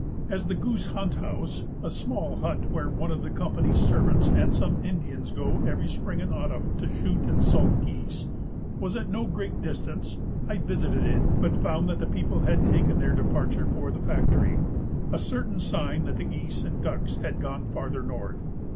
As the Goose Hunt House (a small hut where one of the Company's servants and some Indians go every spring and autumn to shoot and salt geese,) was at no great distance, I visited it, but found that the people had taken their departure for the Factory a certain sign that the geese and ducks had gone farther north.